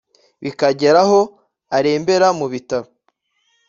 bikagera aho arembera mu bitaro